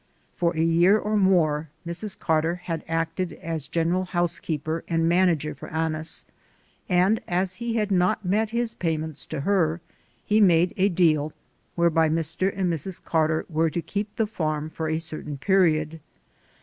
For a year or more Mrs. Carter had acted as general housekeeper and manager for Annis, and as he had not met his payments to her, he made a deal whereby Mr. and Mrs. Carter were to keep the farm for a certain period.